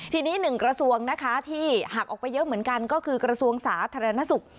ทีนี้หนึ่งกระทรวงนะคะที่หักออกไปเยอะเหมือนกันก็คือกระทรวงสาธารณสุข